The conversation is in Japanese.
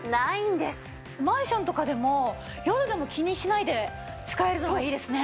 マンションとかでも夜でも気にしないで使えるのがいいですね。